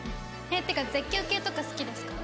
えっっていうか絶叫系とか好きですか？